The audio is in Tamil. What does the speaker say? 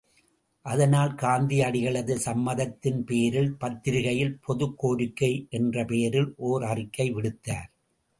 அதனால், காந்தியடிகளது சம்மதத்தின் பேரில் பத்திரிகையில் பொதுக் கோரிக்கை என்ற பெயரில் ஓர் அறிக்கை விடுத்தார்.